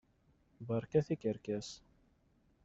Berka tikerkas!